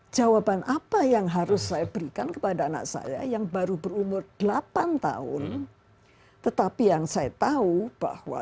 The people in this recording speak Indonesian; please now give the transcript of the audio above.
jawaban apa yang harus saya berikan kepada anak saya yang baru berumur delapan tahun tetapi yang saya tahu bahwa